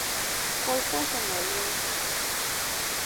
Колхозым ойлем...